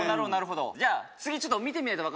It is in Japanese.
じゃあ次ちょっと見てみないと分かんない。